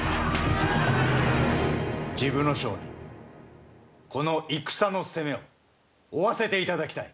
治部少輔にこの戦の責めを負わせていただきたい。